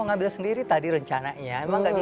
ruang sukarno dikatakan sebagai ruang utama